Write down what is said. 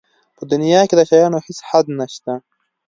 په دنیا کې د شیانو هېڅ حد نشته.